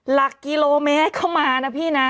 หลักกิโลเมตรเข้ามานะพี่นะ